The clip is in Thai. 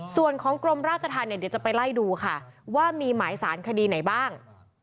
ส่วนของกรมราชธรรมเนี่ยเดี๋ยวจะไปไล่ดูค่ะว่ามีหมายสารคดีไหนบ้าง